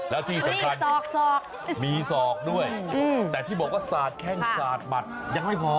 แล้วที่สำคัญศอกมีศอกด้วยแต่ที่บอกว่าสาดแข้งสาดหมัดยังไม่พอ